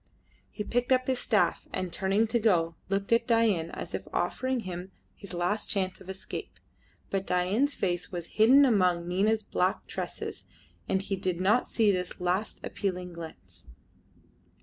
He picked up his staff, and, turning to go, looked at Dain as if offering him his last chance of escape. But Dain's face was hidden amongst Nina's black tresses, and he did not see this last appealing glance.